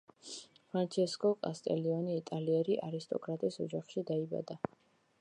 ფრანჩესკო კასტილიონი იტალიერი არისტოკრატის ოჯახში დაიბადა.